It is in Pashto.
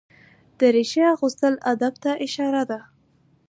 دریشي اغوستل ادب ته اشاره ده.